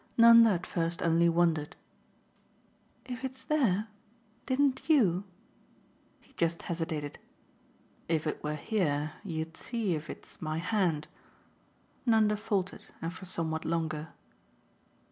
Nanda at first only wondered. "If it's there didn't YOU?" He just hesitated. "If it were here you'd see if it's my hand." Nanda faltered, and for somewhat longer.